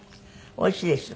おいしいです。